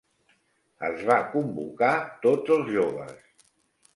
Es va convocar tots els joves.